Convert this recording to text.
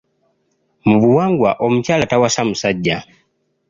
Mu buwangwa omukyala tawasa musajja.